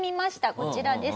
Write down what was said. こちらです。